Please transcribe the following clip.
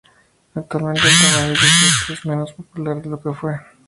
Actualmente el tamaño "digest" es menos popular de lo que fue.